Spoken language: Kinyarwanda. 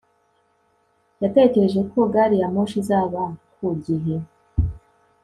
yatekereje ko gari ya moshi izaba ku gihe